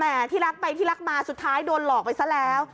แต่ที่รักไปที่รักมาสุดท้ายโดนหลอกไปซะแล้ว